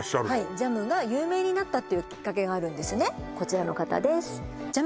ジャムが有名になったっていうきっかけがあるんですねこちらの方ですああ